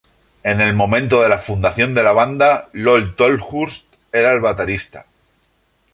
En el momento de la fundación de la banda, Lol Tolhurst era el baterista.